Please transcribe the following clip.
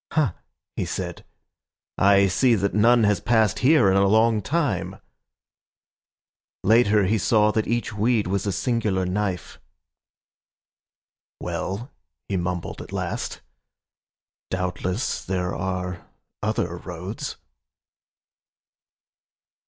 "Ha," he said,"I see that none has passed hereIn a long time."Later he saw that each weedWas a singular knife."Well," he mumbled at last,"Doubtless there are other roads."